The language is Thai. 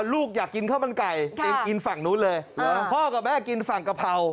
ลูกอยากกินข้าวมันไก่เองกินฝั่งนู้นเลยเหรอพ่อกับแม่กินฝั่งกะเพรา